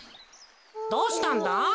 どうしたんだ？